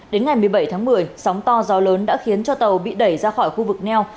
đến ngày một mươi bảy tháng một mươi sóng to gió lớn đã khiến cho tàu bị đẩy ra khỏi khu vực neo